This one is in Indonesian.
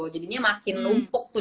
jadinya makin numpuk tuh